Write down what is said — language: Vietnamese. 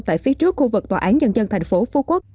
tại phía trước khu vực tòa án nhân dân thành phố phú quốc